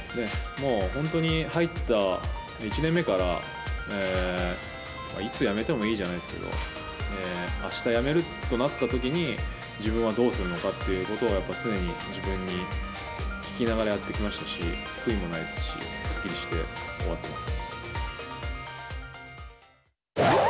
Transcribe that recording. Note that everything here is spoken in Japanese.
もう本当に、入った１年目から、いつ辞めてもいいじゃないですけど、あした辞めるとなったときに、自分はどうするのかっていうことをやっぱり常に自分に聞きながらやってきましたし、悔いもないですし、すっきりして終わっています。